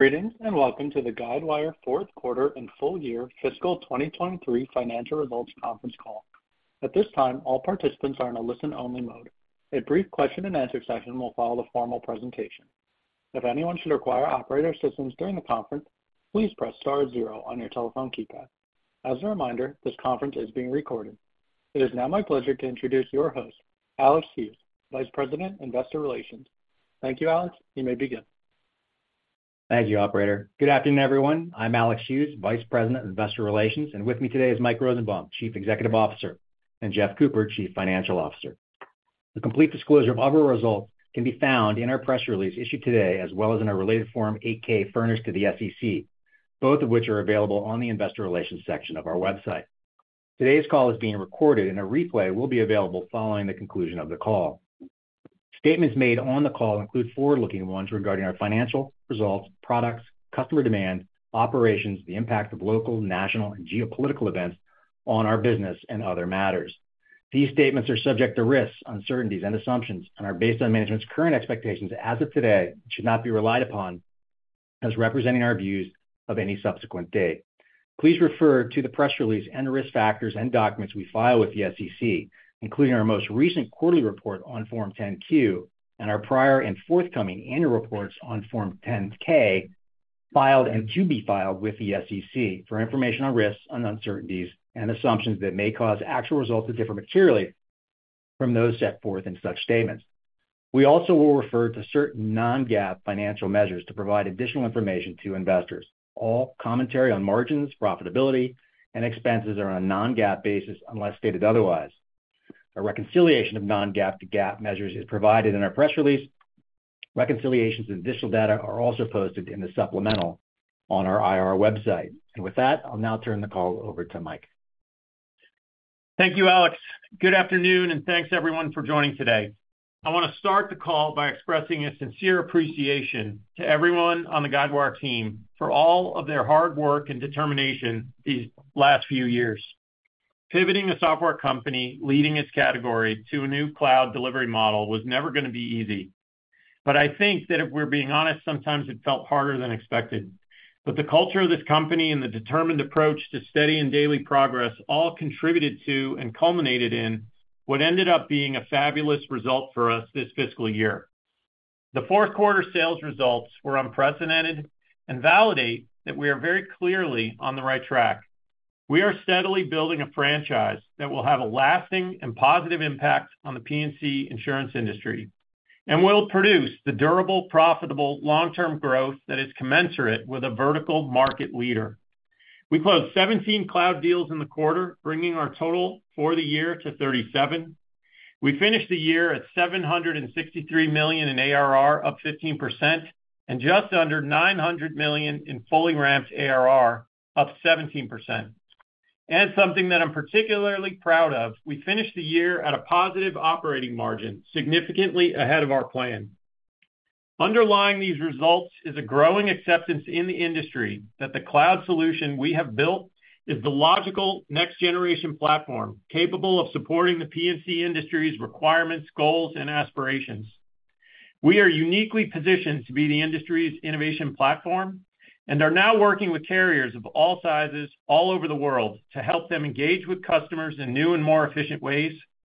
Greetings, and welcome to the Guidewire fourth quarter and full year fiscal 2023 financial results conference call. At this time, all participants are in a listen-only mode. A brief question-and-answer session will follow the formal presentation. If anyone should require operator assistance during the conference, please press star zero on your telephone keypad. As a reminder, this conference is being recorded. It is now my pleasure to introduce your host, Alex Hughes, Vice President, Investor Relations. Thank you, Alex. You may begin. Thank you, Operator. Good afternoon, everyone. I'm Alex Hughes, Vice President of Investor Relations, and with me today is Mike Rosenbaum, Chief Executive Officer, and Jeff Cooper, Chief Financial Officer. The complete disclosure of our results can be found in our press release issued today, as well as in our related Form 8-K furnished to the SEC, both of which are available on the investor relations section of our website. Today's call is being recorded, and a replay will be available following the conclusion of the call. Statements made on the call include forward-looking ones regarding our financial results, products, customer demand, operations, the impact of local, national, and geopolitical events on our business and other matters. These statements are subject to risks, uncertainties and assumptions and are based on management's current expectations as of today, and should not be relied upon as representing our views of any subsequent date. Please refer to the press release and the risk factors and documents we file with the SEC, including our most recent quarterly report on Form 10-Q and our prior and forthcoming annual reports on Form 10-K, filed and to be filed with the SEC, for information on risks and uncertainties and assumptions that may cause actual results to differ materially from those set forth in such statements. We also will refer to certain non-GAAP financial measures to provide additional information to investors. All commentary on margins, profitability, and expenses are on a non-GAAP basis, unless stated otherwise. A reconciliation of non-GAAP to GAAP measures is provided in our press release. Reconciliations and additional data are also posted in the supplemental on our IR website. With that, I'll now turn the call over to Mike. Thank you, Alex. Good afternoon, and thanks everyone for joining today. I want to start the call by expressing a sincere appreciation to everyone on the Guidewire team for all of their hard work and determination these last few years. Pivoting a software company, leading its category, to a new cloud delivery model was never going to be easy. I think that if we're being honest, sometimes it felt harder than expected. The culture of this company and the determined approach to steady and daily progress all contributed to and culminated in what ended up being a fabulous result for us this fiscal year. The fourth quarter sales results were unprecedented and validate that we are very clearly on the right track. We are steadily building a franchise that will have a lasting and positive impact on the P&C insurance industry and will produce the durable, profitable, long-term growth that is commensurate with a vertical market leader. We closed 17 cloud deals in the quarter, bringing our total for the year to 37. We finished the year at $763 million in ARR, up 15%, and just under $900 million in Fully Ramped ARR, up 17%. And something that I'm particularly proud of, we finished the year at a positive operating margin, significantly ahead of our plan. Underlying these results is a growing acceptance in the industry that the cloud solution we have built is the logical next-generation platform, capable of supporting the P&C industry's requirements, goals, and aspirations. We are uniquely positioned to be the industry's innovation platform and are now working with carriers of all sizes, all over the world, to help them engage with customers in new and more efficient ways,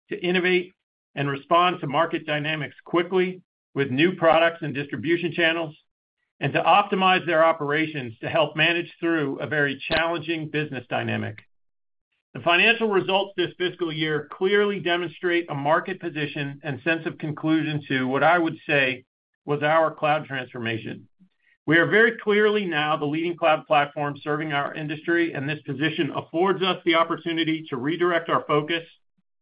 to innovate and respond to market dynamics quickly with new products and distribution channels, and to optimize their operations to help manage through a very challenging business dynamic. The financial results this fiscal year clearly demonstrate a market position and sense of conclusion to what I would say was our cloud transformation. We are very clearly now the leading cloud platform serving our industry, and this position affords us the opportunity to redirect our focus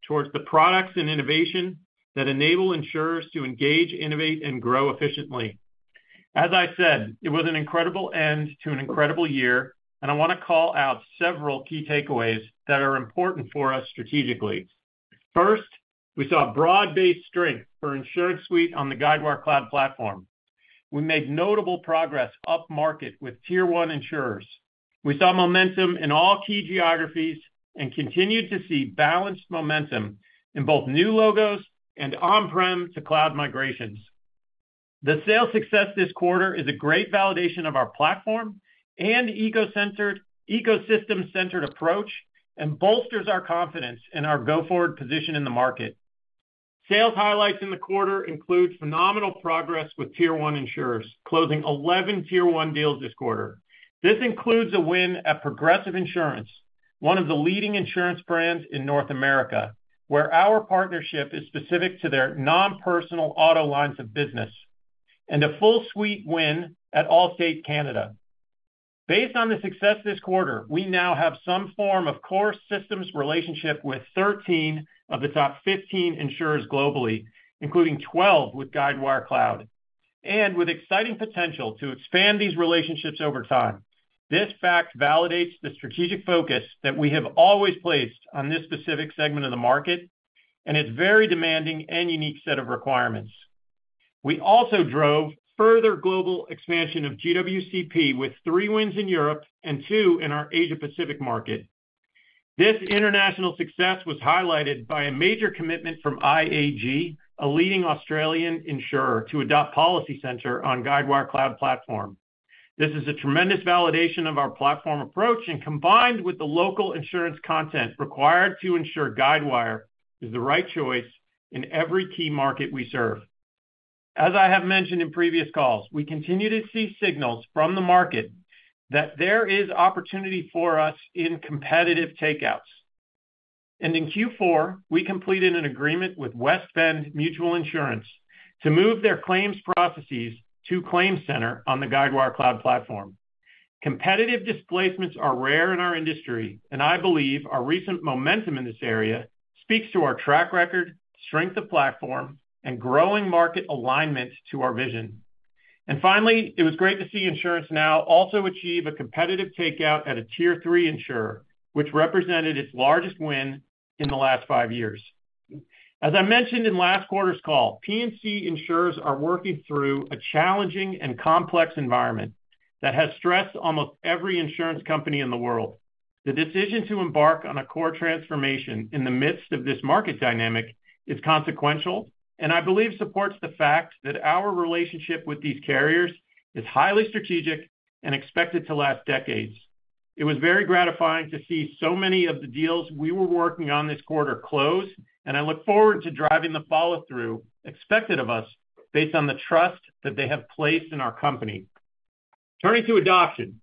towards the products and innovation that enable insurers to engage, innovate, and grow efficiently. As I said, it was an incredible end to an incredible year, and I want to call out several key takeaways that are important for us strategically. First, we saw broad-based strength for InsuranceSuite on the Guidewire Cloud Platform. We made notable progress upmarket with tier one insurers. We saw momentum in all key geographies and continued to see balanced momentum in both new logos and on-prem to cloud migrations. The sales success this quarter is a great validation of our platform and ecosystem-centered approach and bolsters our confidence in our go-forward position in the market. Sales highlights in the quarter include phenomenal progress with tier one insurers, closing 11 tier one deals this quarter. This includes a win at Progressive Insurance, one of the leading insurance brands in North America, where our partnership is specific to their non-personal auto lines of business, and a full suite win at Allstate Canada. Based on the success this quarter, we now have some form of core systems relationship with 13 of the top 15 insurers globally, including 12 with Guidewire Cloud, and with exciting potential to expand these relationships over time. This fact validates the strategic focus that we have always placed on this specific segment of the market and its very demanding and unique set of requirements. We also drove further global expansion of GWCP with three wins in Europe and two in our Asia Pacific market.... This international success was highlighted by a major commitment from IAG, a leading Australian insurer, to adopt PolicyCenter on Guidewire Cloud Platform. This is a tremendous validation of our platform approach, and combined with the local insurance content required to ensure Guidewire is the right choice in every key market we serve. As I have mentioned in previous calls, we continue to see signals from the market that there is opportunity for us in competitive takeouts. In Q4, we completed an agreement with West Bend Mutual Insurance to move their claims processes to ClaimCenter on the Guidewire Cloud Platform. Competitive displacements are rare in our industry, and I believe our recent momentum in this area speaks to our track record, strength of platform, and growing market alignment to our vision. Finally, it was great to see InsuranceNow also achieve a competitive takeout at a tier-three insurer, which represented its largest win in the last five years. As I mentioned in last quarter's call, P&C insurers are working through a challenging and complex environment that has stressed almost every insurance company in the world. The decision to embark on a core transformation in the midst of this market dynamic is consequential, and I believe supports the fact that our relationship with these carriers is highly strategic and expected to last decades. It was very gratifying to see so many of the deals we were working on this quarter close, and I look forward to driving the follow-through expected of us based on the trust that they have placed in our company. Turning to adoption.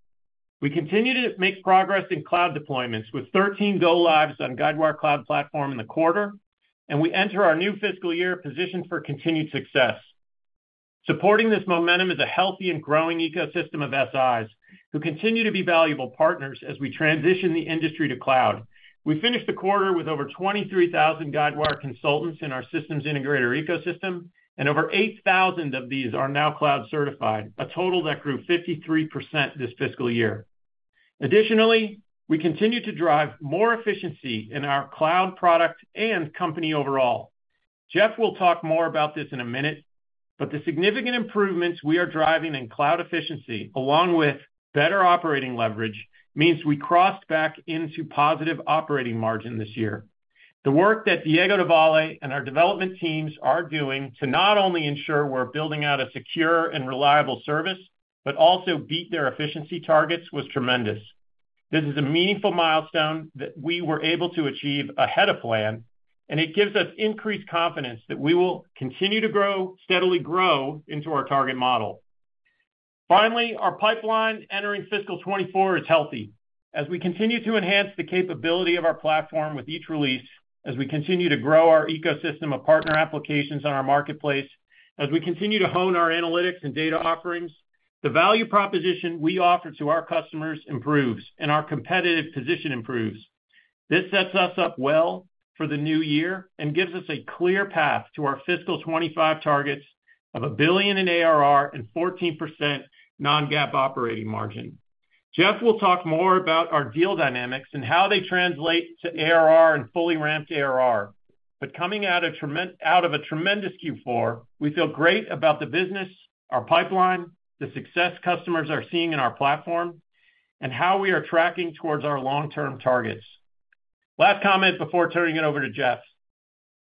We continue to make progress in cloud deployments, with 13 go-lives on Guidewire Cloud Platform in the quarter, and we enter our new fiscal year positioned for continued success. Supporting this momentum is a healthy and growing ecosystem of SIs, who continue to be valuable partners as we transition the industry to cloud. We finished the quarter with over 23,000 Guidewire consultants in our systems integrator ecosystem, and over 8,000 of these are now cloud-certified, a total that grew 53% this fiscal year. Additionally, we continue to drive more efficiency in our cloud product and company overall. Jeff will talk more about this in a minute, but the significant improvements we are driving in cloud efficiency, along with better operating leverage, means we crossed back into positive operating margin this year. The work that Diego Devalle and our development teams are doing to not only ensure we're building out a secure and reliable service, but also beat their efficiency targets, was tremendous. This is a meaningful milestone that we were able to achieve ahead of plan, and it gives us increased confidence that we will continue to grow, steadily grow into our target model. Finally, our pipeline entering fiscal 2024 is healthy. As we continue to enhance the capability of our platform with each release, as we continue to grow our ecosystem of partner applications on our marketplace, as we continue to hone our analytics and data offerings, the value proposition we offer to our customers improves, and our competitive position improves. This sets us up well for the new year and gives us a clear path to our fiscal 2025 targets of $1 billion in ARR and 14% non-GAAP operating margin. Jeff will talk more about our deal dynamics and how they translate to ARR and fully ramped ARR. But coming out of a tremendous Q4, we feel great about the business, our pipeline, the success customers are seeing in our platform, and how we are tracking towards our long-term targets. Last comment before turning it over to Jeff.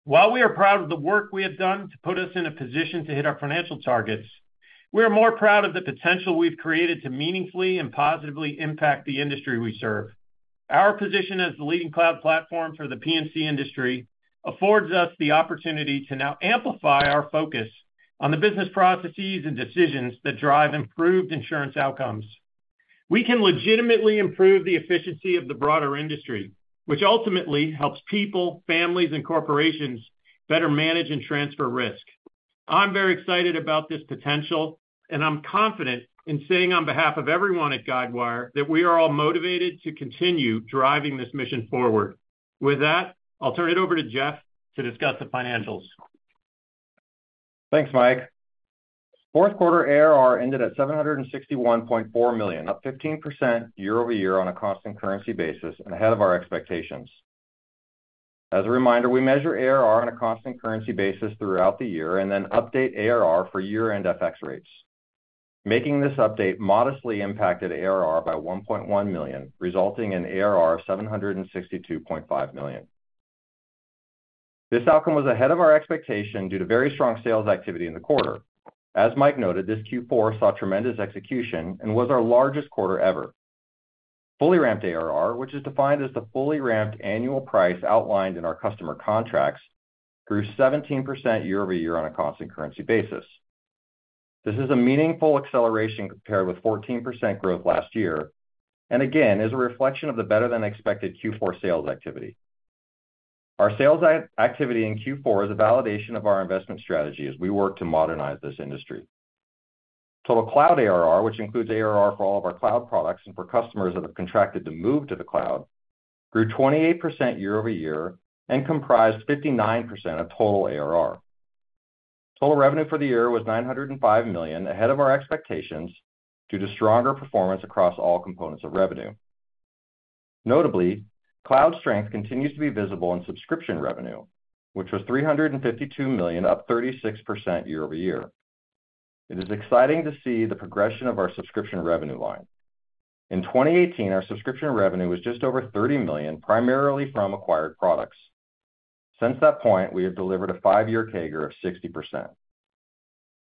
While we are proud of the work we have done to put us in a position to hit our financial targets, we are more proud of the potential we've created to meaningfully and positively impact the industry we serve. Our position as the leading cloud platform for the P&C industry affords us the opportunity to now amplify our focus on the business processes and decisions that drive improved insurance outcomes. We can legitimately improve the efficiency of the broader industry, which ultimately helps people, families, and corporations better manage and transfer risk. I'm very excited about this potential, and I'm confident in saying, on behalf of everyone at Guidewire, that we are all motivated to continue driving this mission forward. With that, I'll turn it over to Jeff to discuss the financials. Thanks, Mike. Fourth quarter ARR ended at $761.4 million, up 15% year-over-year on a constant currency basis and ahead of our expectations. As a reminder, we measure ARR on a constant currency basis throughout the year and then update ARR for year-end FX rates. Making this update modestly impacted ARR by $1.1 million, resulting in ARR of $762.5 million. This outcome was ahead of our expectation due to very strong sales activity in the quarter. As Mike noted, this Q4 saw tremendous execution and was our largest quarter ever. Fully ramped ARR, which is defined as the fully ramped annual price outlined in our customer contracts, grew 17% year-over-year on a constant currency basis. This is a meaningful acceleration compared with 14% growth last year, and again, is a reflection of the better-than-expected Q4 sales activity. Our sales activity in Q4 is a validation of our investment strategy as we work to modernize this industry. Total cloud ARR, which includes ARR for all of our cloud products and for customers that have contracted to move to the cloud, grew 28% year-over-year and comprised 59% of total ARR. Total revenue for the year was $905 million, ahead of our expectations, due to stronger performance across all components of revenue. Notably, cloud strength continues to be visible in subscription revenue, which was $352 million, up 36% year-over-year. It is exciting to see the progression of our subscription revenue line. In 2018, our subscription revenue was just over $30 million, primarily from acquired products. Since that point, we have delivered a five-year CAGR of 60%.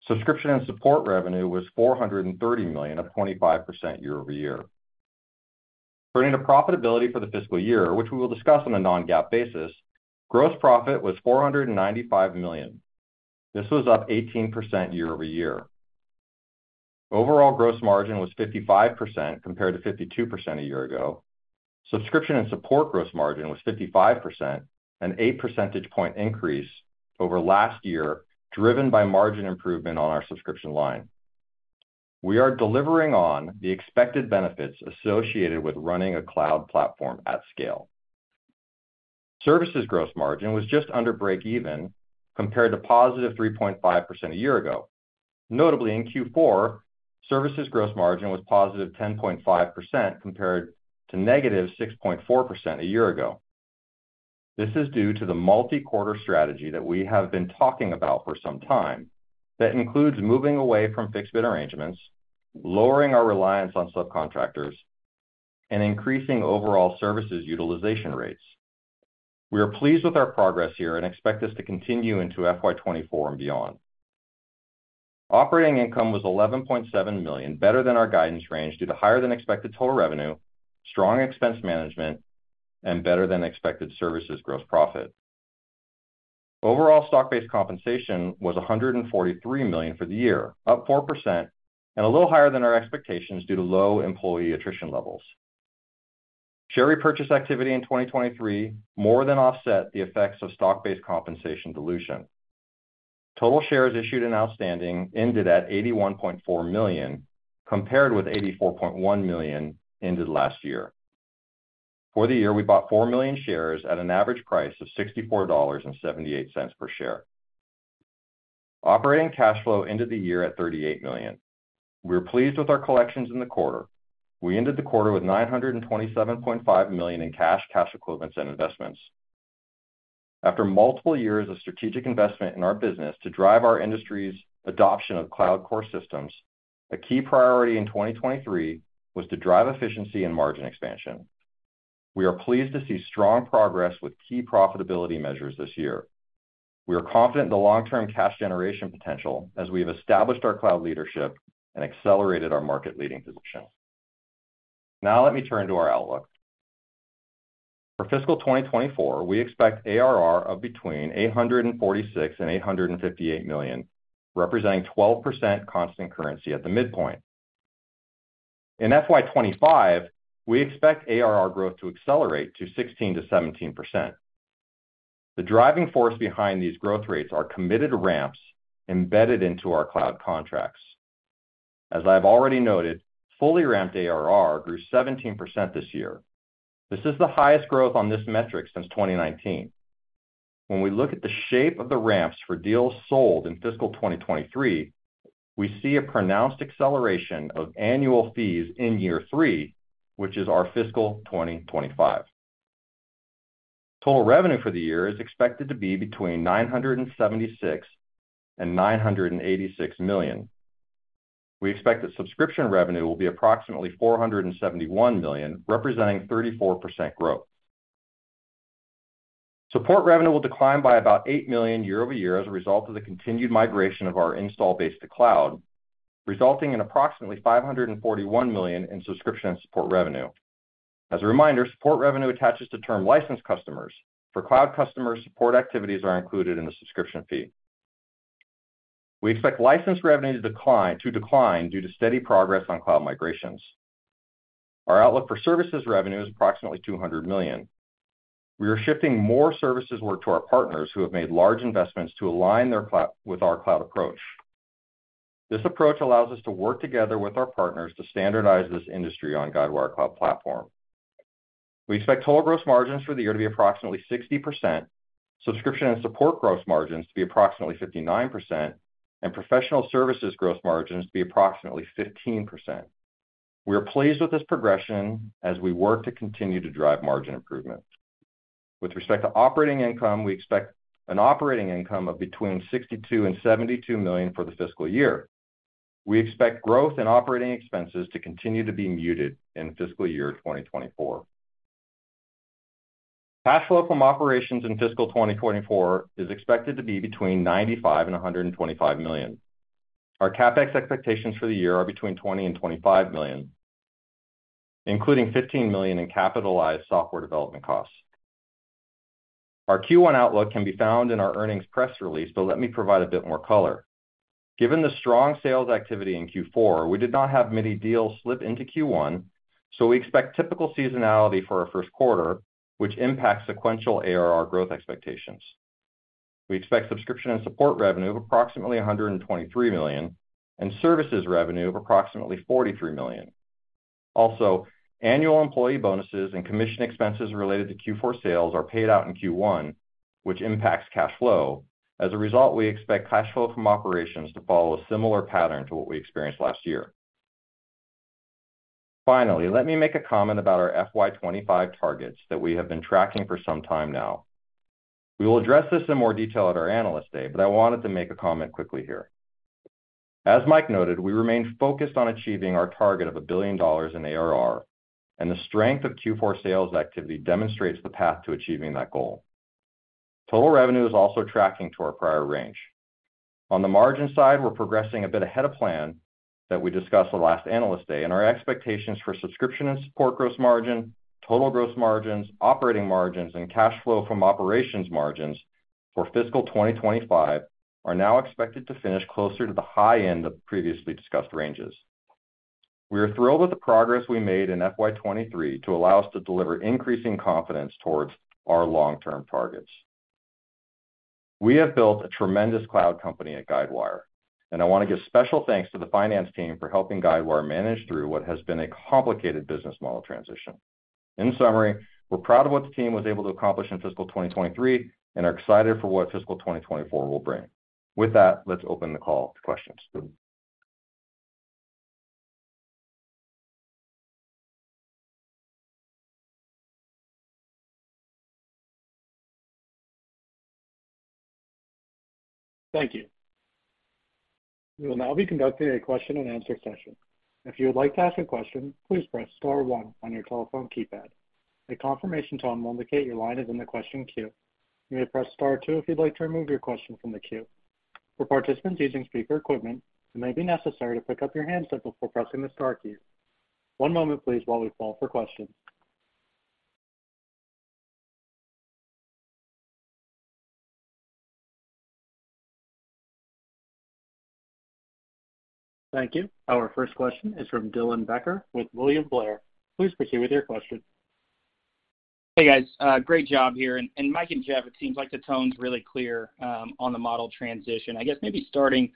Subscription and support revenue was $430 million, up 25% year-over-year. Turning to profitability for the fiscal year, which we will discuss on a non-GAAP basis, gross profit was $495 million. This was up 18% year-over-year. Overall gross margin was 55%, compared to 52% a year ago. Subscription and support gross margin was 55%, an eight percentage point increase over last year, driven by margin improvement on our subscription line. We are delivering on the expected benefits associated with running a cloud platform at scale. Services gross margin was just under break even, compared to positive 3.5% a year ago. Notably, in Q4, services gross margin was positive 10.5%, compared to negative 6.4% a year ago. This is due to the multi-quarter strategy that we have been talking about for some time. That includes moving away from fixed bid arrangements, lowering our reliance on subcontractors, and increasing overall services utilization rates. We are pleased with our progress here and expect this to continue into FY 2024 and beyond. Operating income was $11.7 million, better than our guidance range, due to higher than expected total revenue, strong expense management, and better than expected services gross profit. Overall, stock-based compensation was $143 million for the year, up 4% and a little higher than our expectations due to low employee attrition levels. Share repurchase activity in 2023 more than offset the effects of stock-based compensation dilution. Total shares issued and outstanding ended at 81.4 million, compared with 84.1 million ended last year. For the year, we bought 4 million shares at an average price of $64.78 per share. Operating cash flow ended the year at $38 million. We are pleased with our collections in the quarter. We ended the quarter with $927.5 million in cash, cash equivalents and investments. After multiple years of strategic investment in our business to drive our industry's adoption of cloud core systems, a key priority in 2023 was to drive efficiency and margin expansion. We are pleased to see strong progress with key profitability measures this year. We are confident in the long-term cash generation potential as we have established our cloud leadership and accelerated our market-leading position. Now let me turn to our outlook. For fiscal 2024, we expect ARR of between $846 million-858 million, representing 12% constant currency at the midpoint. In FY 2025, we expect ARR growth to accelerate to 16%-17%. The driving force behind these growth rates are committed ramps embedded into our cloud contracts. As I've already noted, fully ramped ARR grew 17% this year. This is the highest growth on this metric since 2019. When we look at the shape of the ramps for deals sold in fiscal 2023, we see a pronounced acceleration of annual fees in year three, which is our fiscal 2025. Total revenue for the year is expected to be between $976 million-986 million. We expect that subscription revenue will be approximately $471 million, representing 34% growth. Support revenue will decline by about $8 million year-over-year as a result of the continued migration of our installed base to cloud, resulting in approximately $541 million in subscription and support revenue. As a reminder, support revenue attaches to term license customers. For cloud customers, support activities are included in the subscription fee. We expect license revenue to decline due to steady progress on cloud migrations. Our outlook for services revenue is approximately $200 million. We are shifting more services work to our partners, who have made large investments to align their cloud with our cloud approach. This approach allows us to work together with our partners to standardize this industry on Guidewire Cloud Platform. We expect total gross margins for the year to be approximately 60%, subscription and support gross margins to be approximately 59%, and professional services gross margins to be approximately 15%. We are pleased with this progression as we work to continue to drive margin improvement. With respect to operating income, we expect an operating income of between $62-72 million for the fiscal year. We expect growth in operating expenses to continue to be muted in fiscal year 2024. Cash flow from operations in fiscal 2024 is expected to be between $95-125 million. Our CapEx expectations for the year are between $20-25 million, including 15 million in capitalized software development costs. Our Q1 outlook can be found in our earnings press release, but let me provide a bit more color. Given the strong sales activity in Q4, we did not have many deals slip into Q1, so we expect typical seasonality for our first quarter, which impacts sequential ARR growth expectations. We expect subscription and support revenue of approximately $123 million and services revenue of approximately $43 million. Also, annual employee bonuses and commission expenses related to Q4 sales are paid out in Q1, which impacts cash flow. As a result, we expect cash flow from operations to follow a similar pattern to what we experienced last year. Finally, let me make a comment about our FY 2025 targets that we have been tracking for some time now. We will address this in more detail at our Analyst Day, but I wanted to make a comment quickly here. As Mike noted, we remain focused on achieving our target of $1 billion in ARR, and the strength of Q4 sales activity demonstrates the path to achieving that goal. Total revenue is also tracking to our prior range. On the margin side, we're progressing a bit ahead of plan that we discussed the last Analyst Day, and our expectations for subscription and support gross margin, total gross margins, operating margins, and cash flow from operations margins for fiscal 2025 are now expected to finish closer to the high end of the previously discussed ranges. We are thrilled with the progress we made in FY 2023 to allow us to deliver increasing confidence towards our long-term targets. We have built a tremendous cloud company at Guidewire, and I want to give special thanks to the finance team for helping Guidewire manage through what has been a complicated business model transition. In summary, we're proud of what the team was able to accomplish in fiscal 2023 and are excited for what fiscal 2024 will bring. With that, let's open the call to questions. Thank you. We will now be conducting a question-and-answer session. If you would like to ask a question, please press star one on your telephone keypad. A confirmation tone will indicate your line is in the question queue. You may press star two if you'd like to remove your question from the queue. For participants using speaker equipment, it may be necessary to pick up your handset before pressing the star key. One moment please while we call for questions. Thank you. Our first question is from Dylan Becker with William Blair. Please proceed with your question. Hey, guys, great job here. And Mike and Jeff, it seems like the tone's really clear on the model transition. I guess maybe starting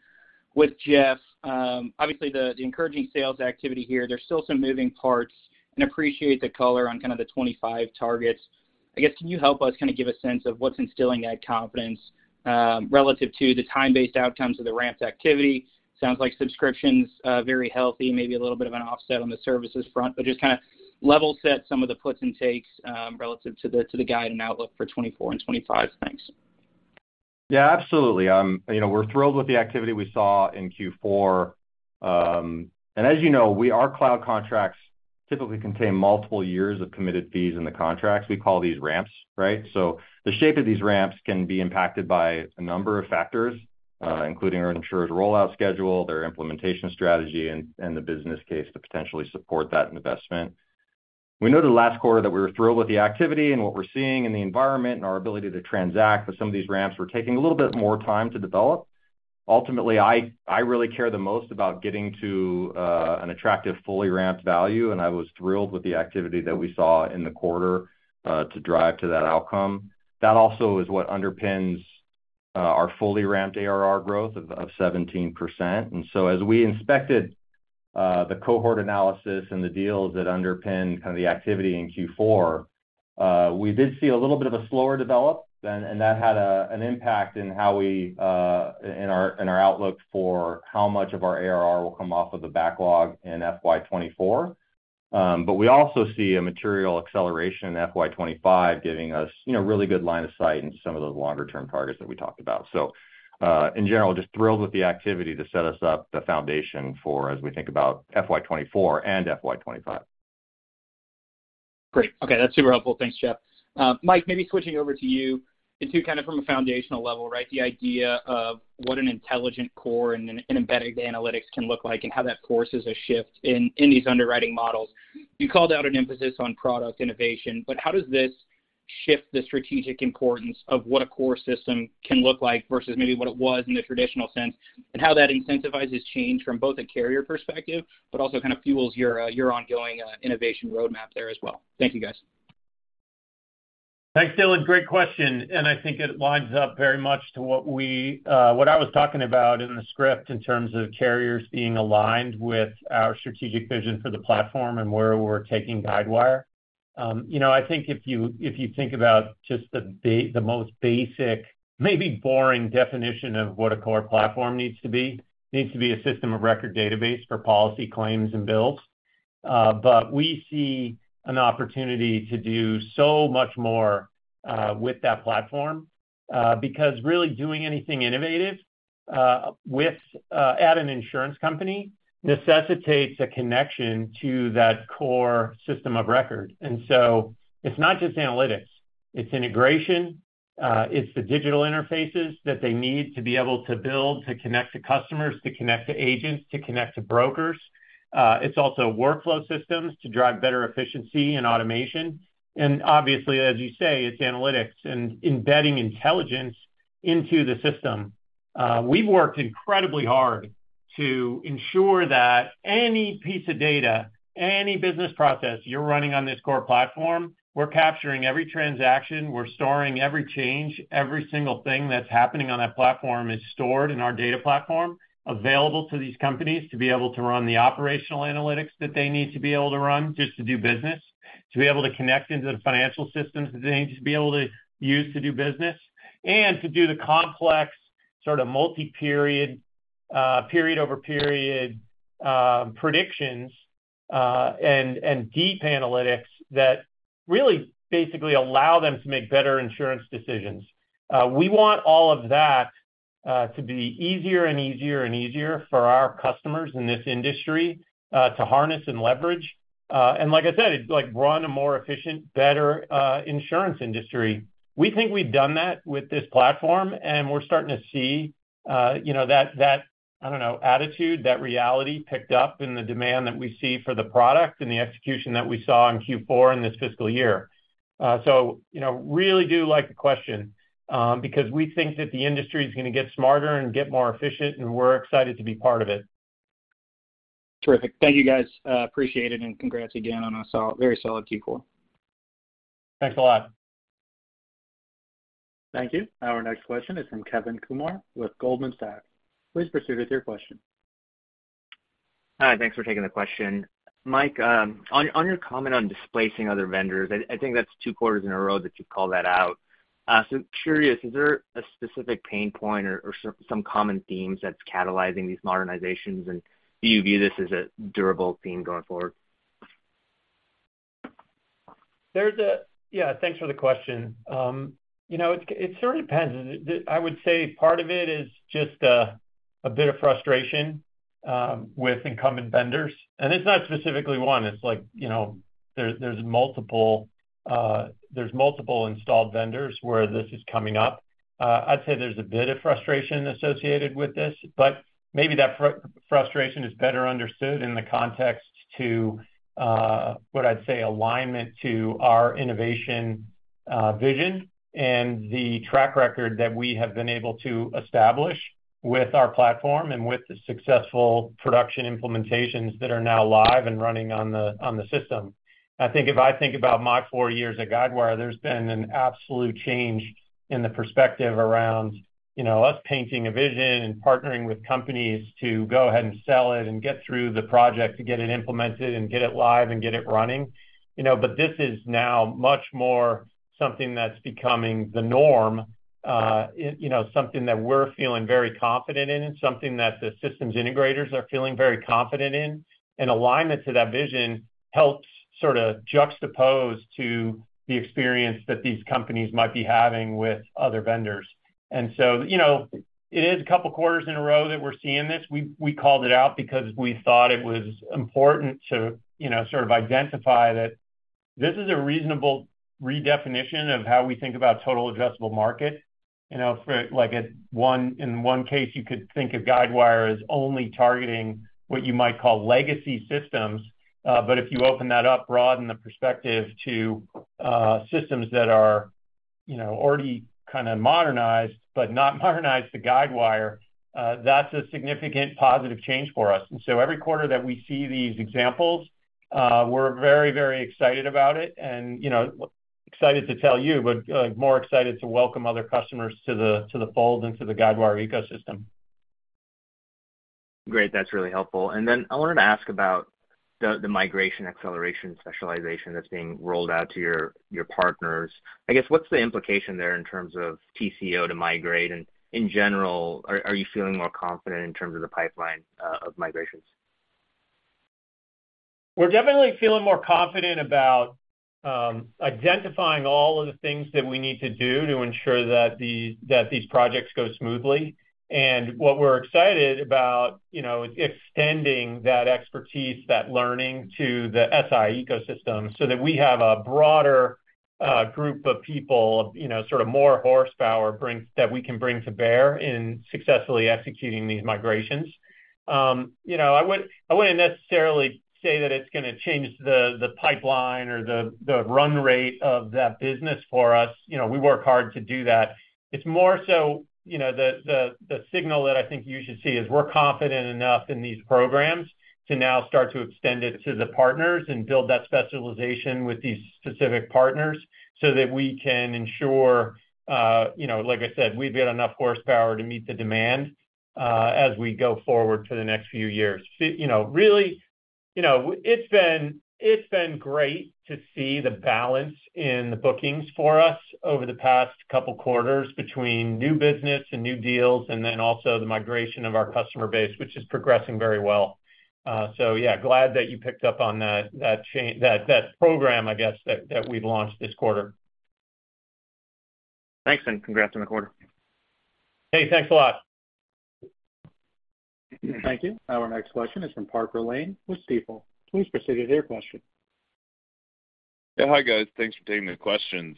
with Jeff, obviously the encouraging sales activity here, there's still some moving parts and appreciate the color on kind of the 2025 targets. I guess, can you help us kind of give a sense of what's instilling that confidence relative to the time-based outcomes of the ramped activity? Sounds like subscriptions very healthy, maybe a little bit of an offset on the services front, but just kind of level set some of the puts and takes relative to the guide and outlook for 2024 and 2025. Thanks. Yeah, absolutely. You know, we're thrilled with the activity we saw in Q4. As you know, our cloud contracts typically contain multiple years of committed fees in the contracts. We call these ramps, right? So the shape of these ramps can be impacted by a number of factors, including our insurer's rollout schedule, their implementation strategy, and the business case to potentially support that investment. We noted last quarter that we were thrilled with the activity and what we're seeing in the environment and our ability to transact, but some of these ramps were taking a little bit more time to develop. Ultimately, I really care the most about getting to an attractive, fully ramped value, and I was thrilled with the activity that we saw in the quarter to drive to that outcome. That also is what underpins our fully ramped ARR growth of 17%. And so as we inspected the cohort analysis and the deals that underpin kind of the activity in Q4, we did see a little bit of a slower develop then, and that had an impact in how we, in our outlook for how much of our ARR will come off of the backlog in FY 2024. But we also see a material acceleration in FY 2025, giving us, you know, really good line of sight in some of those longer term targets that we talked about. So, in general, just thrilled with the activity to set us up the foundation for as we think about FY 2024 and FY 2025. Great. Okay, that's super helpful. Thanks, Jeff. Mike, maybe switching over to you into kind of from a foundational level, right? The idea of what an intelligent core and an embedded analytics can look like and how that causes a shift in these underwriting models. You called out an emphasis on product innovation, but how does this shift the strategic importance of what a core system can look like versus maybe what it was in the traditional sense, and how that incentivizes change from both a carrier perspective, but also kind of fuels your ongoing innovation roadmap there as well? Thank you, guys. Thanks, Dylan. Great question, and I think it lines up very much to what we... what I was talking about in the script in terms of carriers being aligned with our strategic vision for the platform and where we're taking Guidewire. You know, I think if you, if you think about just the most basic, maybe boring definition of what a core platform needs to be, needs to be a system of record database for policy, claims, and bills. But we see an opportunity to do so much more, with that platform, because really doing anything innovative, with, at an insurance company necessitates a connection to that core system of record. And so it's not just analytics, it's integration, it's the digital interfaces that they need to be able to build, to connect to customers, to connect to agents, to connect to brokers. It's also workflow systems to drive better efficiency and automation. And obviously, as you say, it's analytics and embedding intelligence into the system. We've worked incredibly hard to ensure that any piece of data, any business process you're running on this core platform, we're capturing every transaction, we're storing every change. Every single thing that's happening on that platform is stored in our data platform, available to these companies to be able to run the operational analytics that they need to be able to run, just to do business.... to be able to connect into the financial systems that they need to be able to use to do business, and to do the complex, sort of multi-period, period-over-period, predictions, and deep analytics that really basically allow them to make better insurance decisions. We want all of that to be easier and easier and easier for our customers in this industry to harness and leverage. And like I said, it's like run a more efficient, better insurance industry. We think we've done that with this platform, and we're starting to see you know, that that, I don't know, attitude, that reality picked up in the demand that we see for the product and the execution that we saw in Q4 in this fiscal year. So, you know, really do like the question, because we think that the industry is going to get smarter and get more efficient, and we're excited to be part of it. Terrific. Thank you, guys. Appreciate it, and congrats again on a very solid Q4. Thanks a lot. Thank you. Our next question is from Kevin Kumar with Goldman Sachs. Please proceed with your question. Hi, thanks for taking the question. Mike, on your comment on displacing other vendors, I think that's two quarters in a row that you've called that out. So curious, is there a specific pain point or some common themes that's catalyzing these modernizations? And do you view this as a durable theme going forward? Yeah, thanks for the question. You know, it sort of depends. I would say part of it is just a bit of frustration with incumbent vendors. And it's not specifically one. It's like, you know, there's multiple installed vendors where this is coming up. I'd say there's a bit of frustration associated with this, but maybe that frustration is better understood in the context to what I'd say, alignment to our innovation vision and the track record that we have been able to establish with our platform and with the successful production implementations that are now live and running on the system. I think if I think about my four years at Guidewire, there's been an absolute change in the perspective around, you know, us painting a vision and partnering with companies to go ahead and sell it and get through the project to get it implemented and get it live and get it running. You know, but this is now much more something that's becoming the norm, it, you know, something that we're feeling very confident in, and something that the systems integrators are feeling very confident in. And alignment to that vision helps sort of juxtapose to the experience that these companies might be having with other vendors. And so, you know, it is a couple quarters in a row that we're seeing this. We called it out because we thought it was important to you know sort of identify that this is a reasonable redefinition of how we think about total addressable market. You know, for like a one in one case, you could think of Guidewire as only targeting what you might call legacy systems. But if you open that up, broaden the perspective to systems that are you know already kind of modernized, but not modernized to Guidewire, that's a significant positive change for us. And so every quarter that we see these examples, we're very, very excited about it and you know excited to tell you, but more excited to welcome other customers to the fold into the Guidewire ecosystem. Great. That's really helpful. And then I wanted to ask about the migration acceleration specialization that's being rolled out to your partners. I guess, what's the implication there in terms of TCO to migrate? And in general, are you feeling more confident in terms of the pipeline of migrations? We're definitely feeling more confident about identifying all of the things that we need to do to ensure that these, that these projects go smoothly. And what we're excited about, you know, is extending that expertise, that learning to the SI ecosystem, so that we have a broader group of people, you know, sort of more horsepower brings... that we can bring to bear in successfully executing these migrations. You know, I wouldn't, I wouldn't necessarily say that it's gonna change the, the pipeline or the, the run rate of that business for us. You know, we work hard to do that. It's more so, you know, the signal that I think you should see is we're confident enough in these programs to now start to extend it to the partners and build that specialization with these specific partners, so that we can ensure, you know, like I said, we've got enough horsepower to meet the demand, as we go forward to the next few years. See, you know, really, you know, it's been great to see the balance in the bookings for us over the past couple quarters, between new business and new deals, and then also the migration of our customer base, which is progressing very well. So yeah, glad that you picked up on that change, that program, I guess, that we've launched this quarter. Thanks, and congrats on the quarter. Hey, thanks a lot. Thank you. Our next question is from Parker Lane with Stifel. Please proceed with your question. Yeah. Hi, guys. Thanks for taking the questions.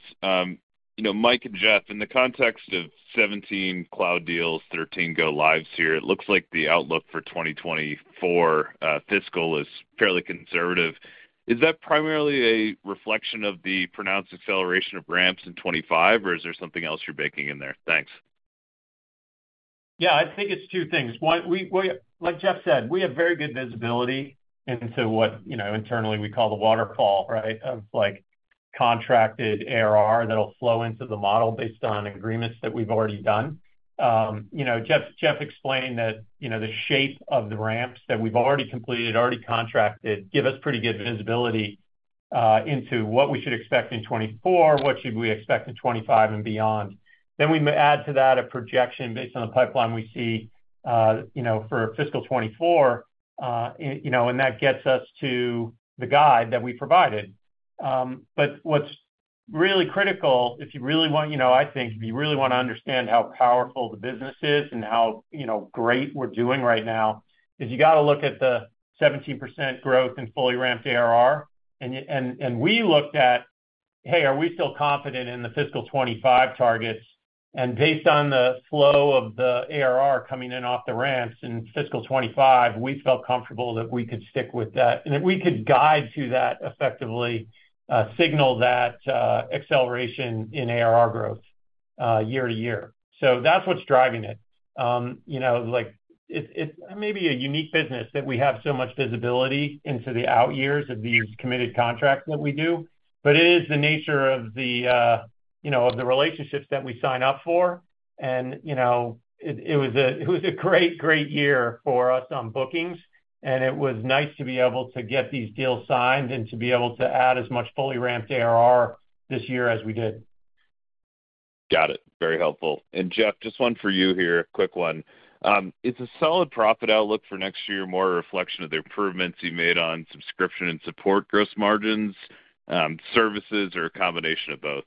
You know, Mike and Jeff, in the context of 17 cloud deals, 13 go lives here, it looks like the outlook for 2024 fiscal is fairly conservative. Is that primarily a reflection of the pronounced acceleration of ramps in 2025, or is there something else you're baking in there? Thanks. Yeah, I think it's two things. One, like Jeff said, we have very good visibility into what, you know, internally, we call the waterfall, right? Of contracted ARR that'll flow into the model based on agreements that we've already done. You know, Jeff explained that, you know, the shape of the ramps that we've already completed, already contracted, give us pretty good visibility into what we should expect in 2024, what we should expect in 2025 and beyond. Then we add to that a projection based on the pipeline we see, you know, for fiscal 2024. And, you know, that gets us to the guide that we provided. But what's really critical, if you really want, you know, I think if you really want to understand how powerful the business is and how, you know, great we're doing right now, is you got to look at the 17% growth in Fully Ramped ARR. And we looked at, hey, are we still confident in the fiscal 2025 targets? And based on the flow of the ARR coming in off the ramps in fiscal 2025, we felt comfortable that we could stick with that, and that we could guide to that effectively, signal that acceleration in ARR growth year-to-year. So that's what's driving it. You know, like it's, it's maybe a unique business that we have so much visibility into the out years of these committed contracts that we do, but it is the nature of the, you know, of the relationships that we sign up for. You know, it was a great, great year for us on bookings, and it was nice to be able to get these deals signed and to be able to add as much Fully Ramped ARR this year as we did. Got it. Very helpful. Jeff, just one for you here, a quick one. Is a solid profit outlook for next year more a reflection of the improvements you made on subscription and support gross margins, services, or a combination of both?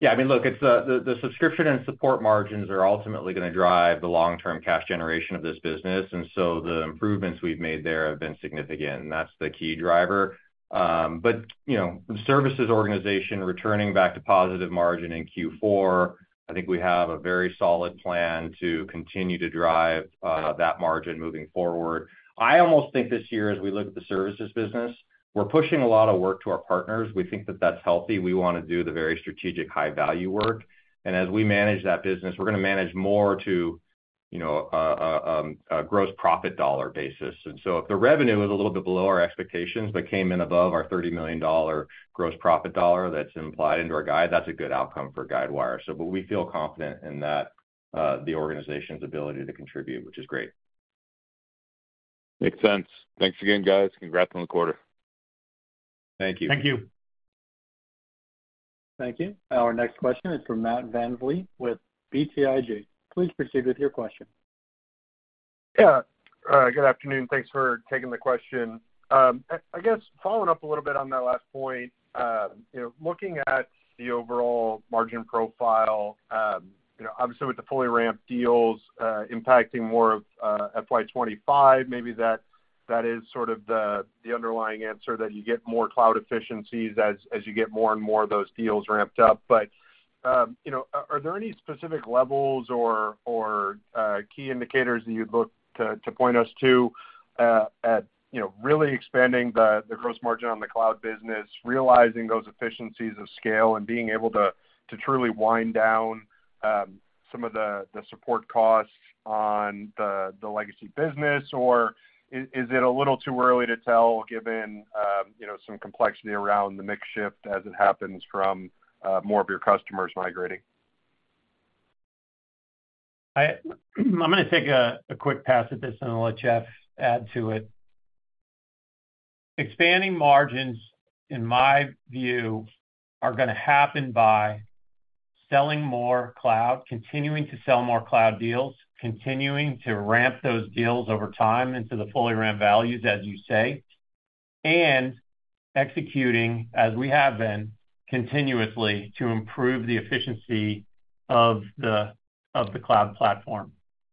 Yeah, I mean, look, it's the subscription and support margins are ultimately gonna drive the long-term cash generation of this business, and so the improvements we've made there have been significant, and that's the key driver. But, you know, the services organization returning back to positive margin in Q4, I think we have a very solid plan to continue to drive that margin moving forward. I almost think this year, as we look at the services business, we're pushing a lot of work to our partners. We think that that's healthy. We want to do the very strategic high-value work. And as we manage that business, we're gonna manage more to, you know, a gross profit dollar basis. So if the revenue is a little bit below our expectations, but came in above our $30 million dollar gross profit dollar, that's implied into our guide, that's a good outcome for Guidewire. So but we feel confident in that, the organization's ability to contribute, which is great. Makes sense. Thanks again, guys. Congrats on the quarter. Thank you. Thank you. Thank you. Our next question is from Matt VanVliet with BTIG. Please proceed with your question. Yeah. Good afternoon, thanks for taking the question. I guess following up a little bit on that last point, you know, looking at the overall margin profile, you know, obviously with the fully ramped deals, impacting more of FY 2025, maybe that is sort of the underlying answer, that you get more cloud efficiencies as you get more and more of those deals ramped up. But, you know, are there any specific levels or key indicators that you'd look to point us to, you know, really expanding the gross margin on the cloud business, realizing those efficiencies of scale, and being able to truly wind down some of the support costs on the legacy business? Or is it a little too early to tell, given you know, some complexity around the mix shift as it happens from more of your customers migrating? I'm gonna take a quick pass at this, and I'll let Jeff add to it. Expanding margins, in my view, are gonna happen by selling more cloud, continuing to sell more cloud deals, continuing to ramp those deals over time into the fully ramped values, as you say, and executing, as we have been, continuously to improve the efficiency of the cloud platform.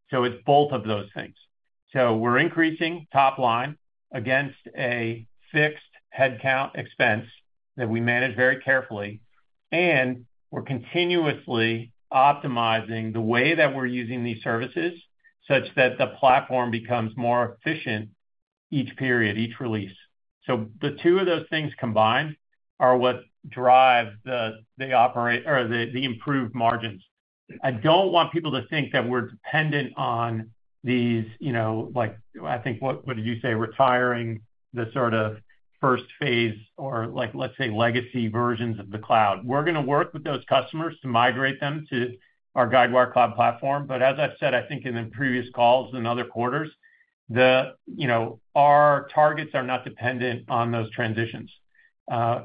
So it's both of those things. So we're increasing top line against a fixed headcount expense that we manage very carefully, and we're continuously optimizing the way that we're using these services such that the platform becomes more efficient each period, each release. So the two of those things combined are what drive the improved margins. I don't want people to think that we're dependent on these, you know, like, I think, what, what did you say? Retiring the sort of first phase or, like, let's say, legacy versions of the cloud. We're gonna work with those customers to migrate them to our Guidewire Cloud Platform. But as I've said, I think in the previous calls in other quarters, you know, our targets are not dependent on those transitions.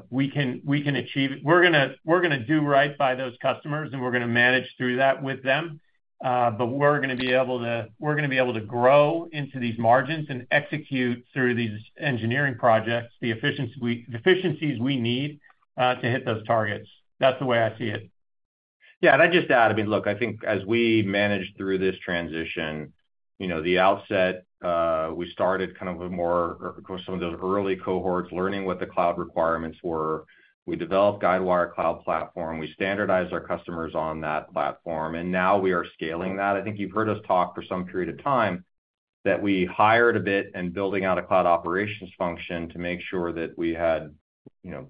We can achieve – we're gonna do right by those customers, and we're gonna manage through that with them. But we're gonna be able to grow into these margins and execute through these engineering projects, the efficiencies we need to hit those targets. That's the way I see it. Yeah, and I'd just add, I mean, look, I think as we manage through this transition, you know, the outset, we started kind of a more. Of course, some of those early cohorts, learning what the cloud requirements were. We developed Guidewire Cloud Platform. We standardized our customers on that platform, and now we are scaling that. I think you've heard us talk for some period of time that we hired a bit and building out a cloud operations function to make sure that we had, you know,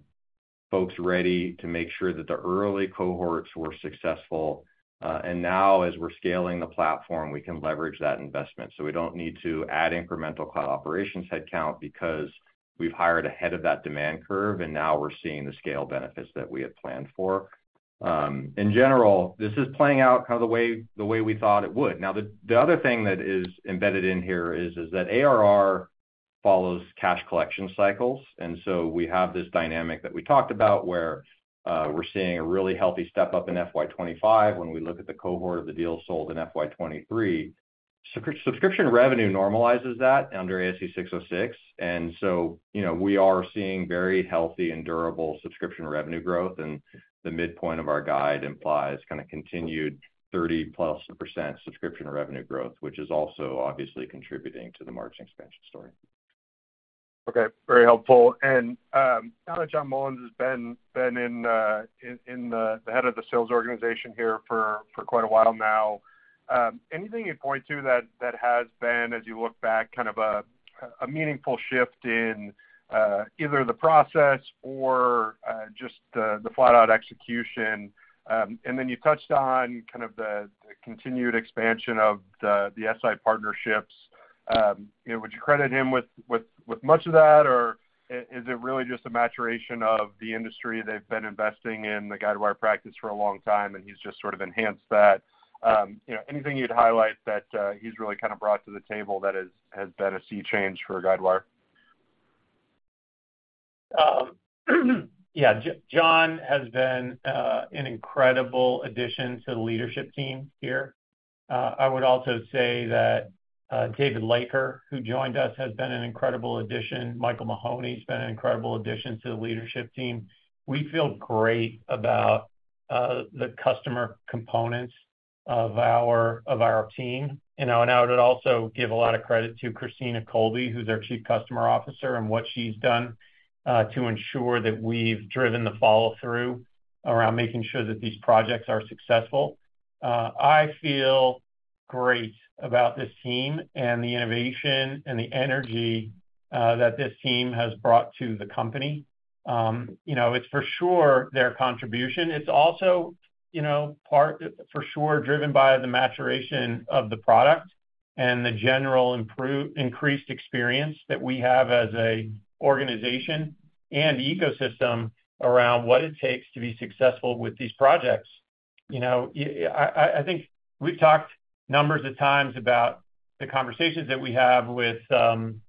folks ready to make sure that the early cohorts were successful. And now, as we're scaling the platform, we can leverage that investment. So we don't need to add incremental cloud operations headcount because we've hired ahead of that demand curve, and now we're seeing the scale benefits that we had planned for. In general, this is playing out kind of the way, the way we thought it would. Now, the, the other thing that is embedded in here is, is that ARR follows cash collection cycles. And so we have this dynamic that we talked about, where, we're seeing a really healthy step-up in FY 2025 when we look at the cohort of the deals sold in FY 2023. Subscription revenue normalizes that under ASC 606. And so, you know, we are seeing very healthy and durable subscription revenue growth, and the midpoint of our guide implies kind of continued 30%+ subscription revenue growth, which is also obviously contributing to the margin expansion story. Okay, very helpful. Now that John Mullen has been in the head of the sales organization here for quite a while now, anything you'd point to that has been, as you look back, kind of a meaningful shift in either the process or just the flat-out execution? And then you touched on kind of the continued expansion of the SI partnerships. You know, would you credit him with much of that, or is it really just a maturation of the industry? They've been investing in the Guidewire practice for a long time, and he's just sort of enhanced that. You know, anything you'd highlight that he's really kind of brought to the table that has been a sea change for Guidewire? Yeah, John has been an incredible addition to the leadership team here. I would also say that David Laker, who joined us, has been an incredible addition. Michael Mahoney's been an incredible addition to the leadership team. We feel great about the customer components of our, of our team. You know, and I would also give a lot of credit to Christina Colby, who's our Chief Customer Officer, and what she's done to ensure that we've driven the follow-through around making sure that these projects are successful. I feel great about this team and the innovation and the energy that this team has brought to the company. You know, it's for sure their contribution. It's also, you know, part for sure, driven by the maturation of the product and the general increased experience that we have as an organization and ecosystem around what it takes to be successful with these projects. You know, I, I, I think we've talked a number of times about the conversations that we have with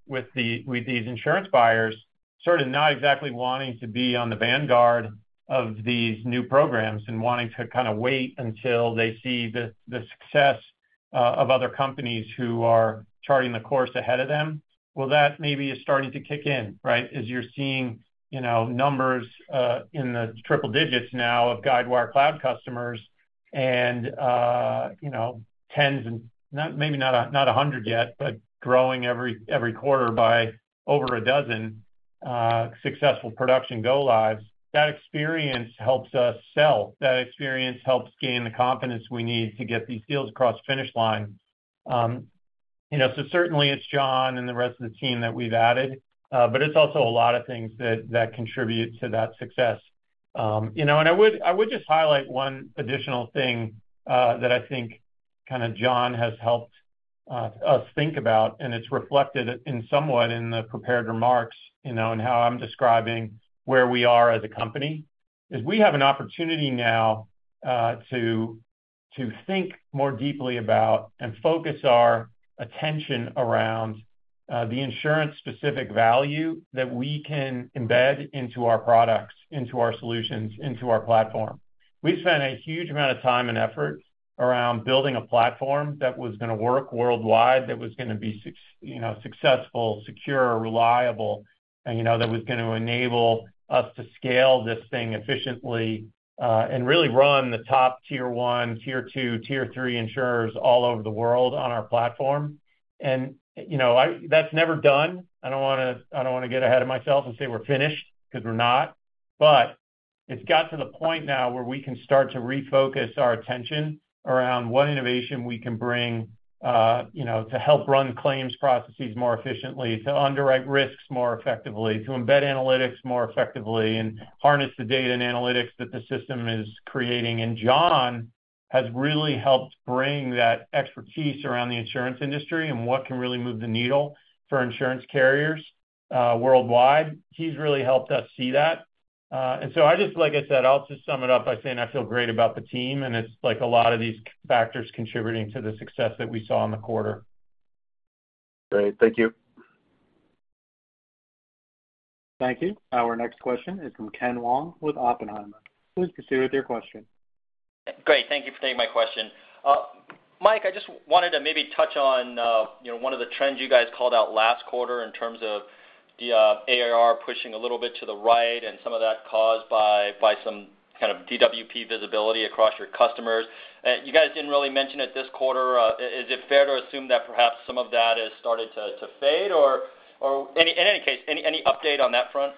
with these insurance buyers, sort of not exactly wanting to be on the vanguard of these new programs and wanting to kind of wait until they see the, the success of other companies who are charting the course ahead of them. Well, that maybe is starting to kick in, right? As you're seeing, you know, numbers in the triple digits now of Guidewire Cloud customers and, you know, tens and not maybe not a hundred yet, but growing every quarter by over a dozen successful production go-lives. That experience helps us sell. That experience helps gain the confidence we need to get these deals across the finish line. You know, so certainly it's John and the rest of the team that we've added, but it's also a lot of things that contribute to that success. You know, and I would just highlight one additional thing that I think kind of John has helped us think about, and it's reflected somewhat in the prepared remarks, you know, in how I'm describing where we are as a company. As we have an opportunity now to think more deeply about and focus our attention around the insurance-specific value that we can embed into our products, into our solutions, into our platform. We've spent a huge amount of time and effort around building a platform that was gonna work worldwide, that was gonna be successful, secure, reliable, and, you know, that was going to enable us to scale this thing efficiently, and really run the top tier one, tier two, tier three insurers all over the world on our platform. And, you know, that's never done. I don't wanna, I don't wanna get ahead of myself and say we're finished, because we're not. But it's got to the point now where we can start to refocus our attention around what innovation we can bring, you know, to help run claims processes more efficiently, to underwrite risks more effectively, to embed analytics more effectively, and harness the data and analytics that the system is creating. And John has really helped bring that expertise around the insurance industry and what can really move the needle for insurance carriers, worldwide. He's really helped us see that. And so I just like I said, I'll just sum it up by saying I feel great about the team, and it's, like, a lot of these factors contributing to the success that we saw in the quarter. Great. Thank you. Thank you. Our next question is from Ken Wong with Oppenheimer. Please proceed with your question. Great. Thank you for taking my question. Mike, I just wanted to maybe touch on, you know, one of the trends you guys called out last quarter in terms of the, ARR pushing a little bit to the right and some of that caused by, by some kind of DWP visibility across your customers. You guys didn't really mention it this quarter. Is it fair to assume that perhaps some of that has started to, to fade? Or, or any... In any case, any, any update on that front?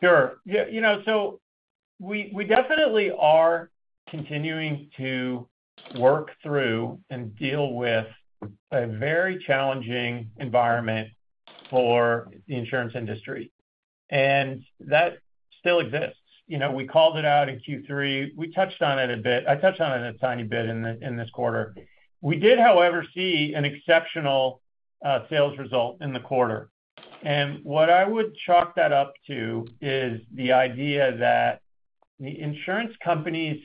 Sure. Yeah, you know, so we, we definitely are continuing to work through and deal with a very challenging environment for the insurance industry, and that still exists. You know, we called it out in Q3. We touched on it a bit. I touched on it a tiny bit in the, in this quarter. We did, however, see an exceptional sales result in the quarter. And what I would chalk that up to is the idea that the insurance companies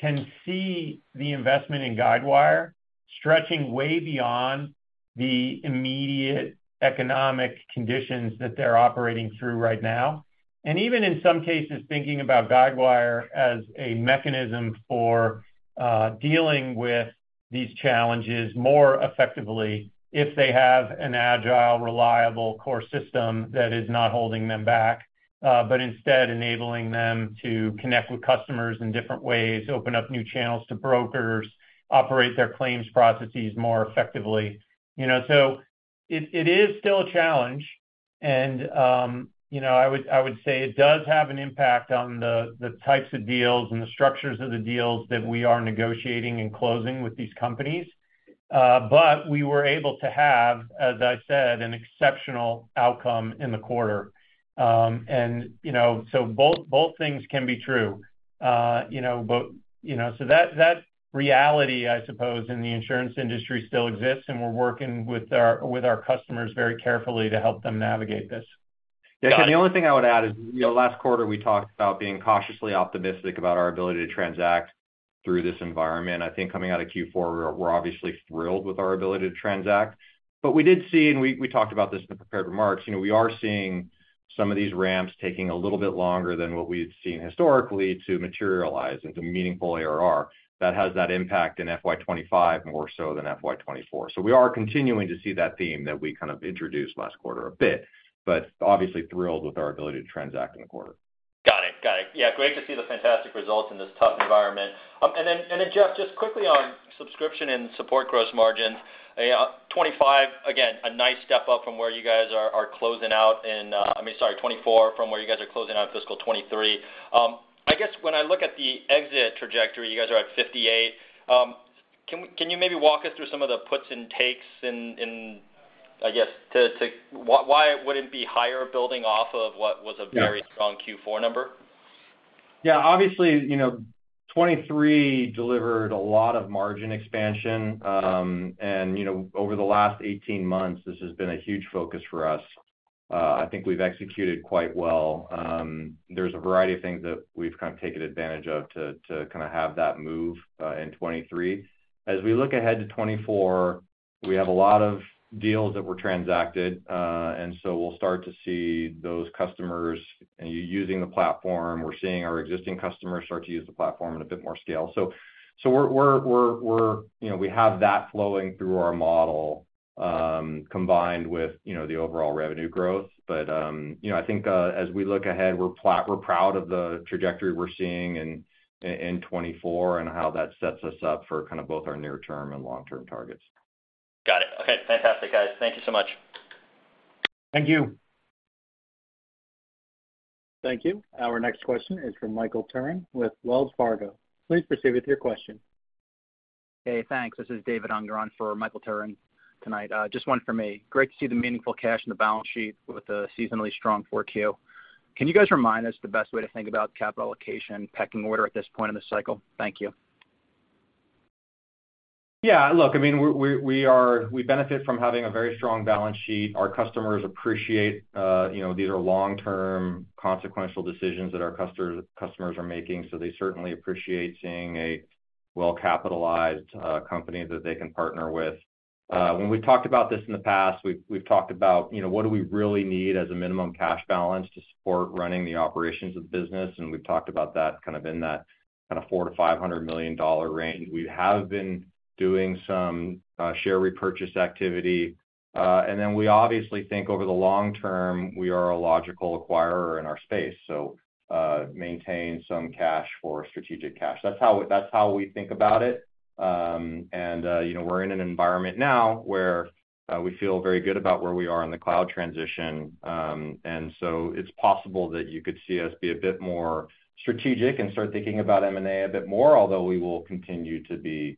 can see the investment in Guidewire stretching way beyond the immediate economic conditions that they're operating through right now. And even in some cases, thinking about Guidewire as a mechanism for dealing with these challenges more effectively if they have an agile, reliable core system that is not holding them back, but instead enabling them to connect with customers in different ways, open up new channels to brokers, operate their claims processes more effectively. You know, so it is still a challenge, and, you know, I would say it does have an impact on the types of deals and the structures of the deals that we are negotiating and closing with these companies. But we were able to have, as I said, an exceptional outcome in the quarter. And, you know, so both, both things can be true. You know, but, you know, so that, that reality, I suppose, in the insurance industry still exists, and we're working with our, with our customers very carefully to help them navigate this. Yeah, the only thing I would add is, you know, last quarter, we talked about being cautiously optimistic about our ability to transact through this environment. I think coming out of Q4, we're, we're obviously thrilled with our ability to transact. But we did see, and we, we talked about this in the prepared remarks, you know, we are seeing some of these ramps taking a little bit longer than what we had seen historically to materialize into meaningful ARR that has that impact in FY 2025, more so than FY 2024. So we are continuing to see that theme that we kind of introduced last quarter a bit, but obviously thrilled with our ability to transact in the quarter. Got it. Got it. Yeah, great to see the fantastic results in this tough environment. And then, Jeff, just quickly on subscription and support gross margins. 2025, again, a nice step up from where you guys are closing out in 2024, from where you guys are closing out fiscal 2023. I guess when I look at the exit trajectory, you guys are at $58 million. Can you maybe walk us through some of the puts and takes in, I guess, to why would it be higher building off of what was a- Yeah Very strong Q4 number? Yeah, obviously, you know, 2023 delivered a lot of margin expansion. And, you know, over the last 18 months, this has been a huge focus for us. I think we've executed quite well. There's a variety of things that we've kind of taken advantage of to kind of have that move in 2023. As we look ahead to 2024, we have a lot of deals that were transacted, and so we'll start to see those customers using the platform. We're seeing our existing customers start to use the platform in a bit more scale. So we're -- you know, we have that flowing through our model, combined with, you know, the overall revenue growth. You know, I think, as we look ahead, we're proud of the trajectory we're seeing in 2024 and how that sets us up for kind of both our near-term and long-term targets. Got it. Okay. Fantastic, guys. Thank you so much. Thank you. Thank you. Our next question is from Michael Turrin with Wells Fargo. Please proceed with your question. Hey, thanks. This is David Unger for Michael Turrin tonight. Just one for me. Great to see the meaningful cash in the balance sheet with a seasonally strong Q4. Can you guys remind us the best way to think about capital allocation pecking order at this point in the cycle? Thank you. Yeah, look, I mean, we benefit from having a very strong balance sheet. Our customers appreciate, you know, these are long-term, consequential decisions that our customers are making, so they certainly appreciate seeing a well-capitalized, company that they can partner with. When we talked about this in the past, we've talked about, you know, what do we really need as a minimum cash balance to support running the operations of the business, and we've talked about that kind of $400 million-500 million range. We have been doing some share repurchase activity. And then we obviously think over the long term, we are a logical acquirer in our space, so, maintain some cash for strategic cash. That's how we think about it. And, you know, we're in an environment now where we feel very good about where we are in the cloud transition. And so it's possible that you could see us be a bit more strategic and start thinking about M&A a bit more, although we will continue to be,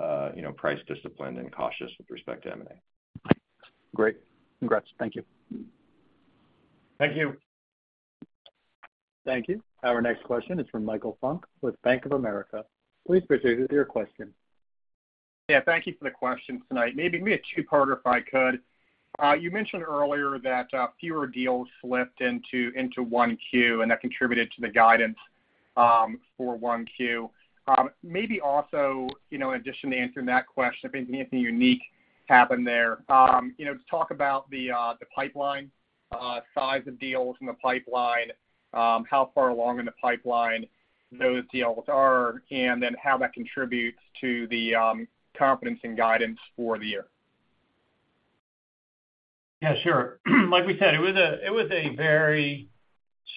you know, price-disciplined and cautious with respect to M&A. Great. Congrats. Thank you. Thank you. Thank you. Our next question is from Michael Funk with Bank of America. Please proceed with your question. Yeah, thank you for the question tonight. Maybe, maybe a two-parter, if I could. You mentioned earlier that fewer deals slipped into 1Q, and that contributed to the guidance for 1Q. Maybe also, you know, in addition to answering that question, if anything unique happened there. You know, just talk about the pipeline, size of deals in the pipeline, how far along in the pipeline those deals are, and then how that contributes to the confidence and guidance for the year. Yeah, sure. Like we said, it was a very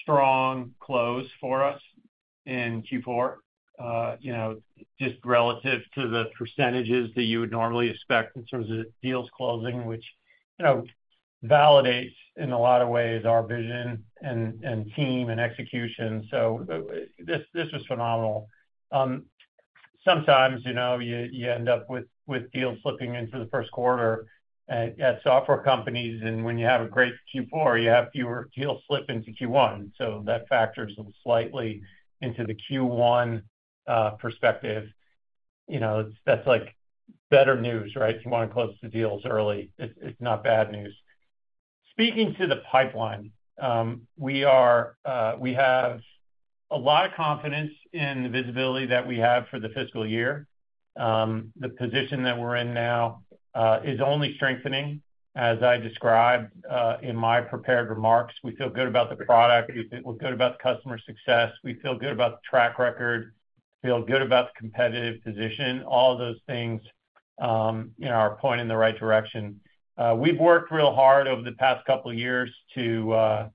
strong close for us in Q4. You know, just relative to the percentages that you would normally expect in terms of deals closing, which, you know, validates, in a lot of ways, our vision and team and execution. So this was phenomenal. Sometimes, you know, you end up with deals slipping into the first quarter at software companies, and when you have a great Q4, you have fewer deals slip into Q1, so that factors slightly into the Q1 perspective. You know, that's better news, right? If you want to close the deals early, it's not bad news. Speaking to the pipeline, we have a lot of confidence in the visibility that we have for the fiscal year. The position that we're in now is only strengthening, as I described in my prepared remarks. We feel good about the product. We feel good about the customer success. We feel good about the track record. We feel good about the competitive position. All those things, you know, are pointing in the right direction. We've worked real hard over the past couple of years to, you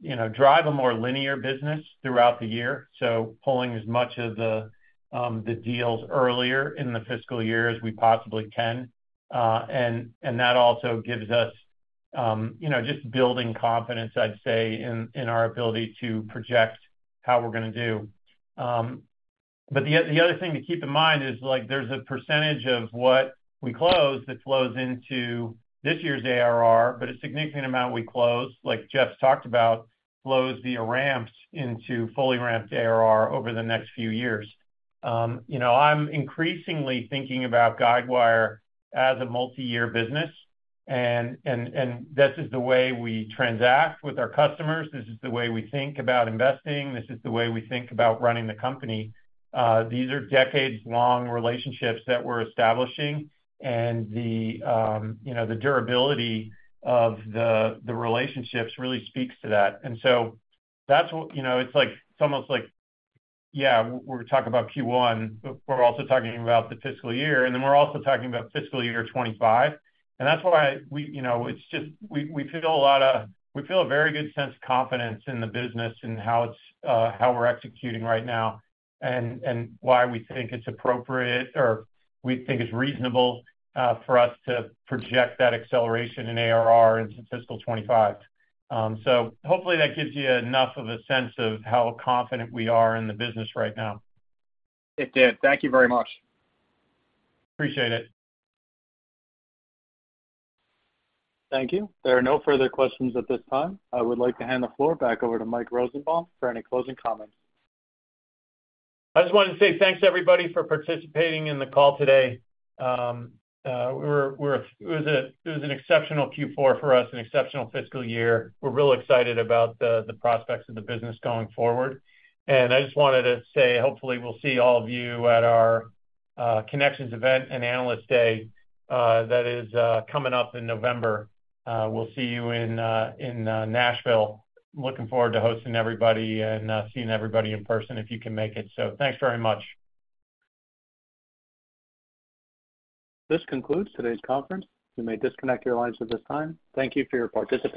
know, drive a more linear business throughout the year, so pulling as much of the deals earlier in the fiscal year as we possibly can. And that also gives us, you know, just building confidence, I'd say, in our ability to project how we're gonna do. But the other thing to keep in mind is, like, there's a percentage of what we close that flows into this year's ARR, but a significant amount we close, like Jeff talked about, flows via ramps into fully ramped ARR over the next few years. You know, I'm increasingly thinking about Guidewire as a multi-year business, and this is the way we transact with our customers. This is the way we think about investing. This is the way we think about running the company. These are decades-long relationships that we're establishing, and you know, the durability of the relationships really speaks to that. And so that's what. You know, it's like, it's almost like, yeah, we're talking about Q1, but we're also talking about the fiscal year, and then we're also talking about fiscal year 2025. And that's why we, you know, it's just we feel a lot of... We feel a very good sense of confidence in the business and how it's, how we're executing right now, and why we think it's appropriate, or we think it's reasonable, for us to project that acceleration in ARR into fiscal 2025. So hopefully that gives you enough of a sense of how confident we are in the business right now. It did. Thank you very much. Appreciate it. Thank you. There are no further questions at this time. I would like to hand the floor back over to Mike Rosenbaum for any closing comments. I just wanted to say thanks to everybody for participating in the call today. We're-- It was an exceptional Q4 for us, an exceptional fiscal year. We're real excited about the prospects of the business going forward. And I just wanted to say, hopefully, we'll see all of you at our Connections event and Analyst Day that is coming up in November. We'll see you in Nashville. Looking forward to hosting everybody and seeing everybody in person, if you can make it. So thanks very much. This concludes today's conference. You may disconnect your lines at this time. Thank you for your participation.